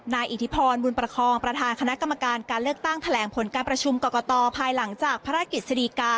อิทธิพรบุญประคองประธานคณะกรรมการการเลือกตั้งแถลงผลการประชุมกรกตภายหลังจากภารกิจสดีกา